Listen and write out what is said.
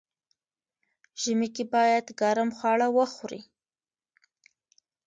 ژمی کی باید ګرم خواړه وخوري.